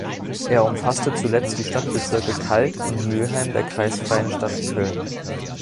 Er umfasste zuletzt die Stadtbezirke Kalk und Mülheim der kreisfreien Stadt Köln.